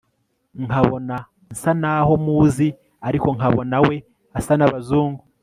nkabona nsa naho muzi ariko nkabona we asa nabazungu